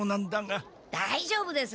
だいじょうぶです。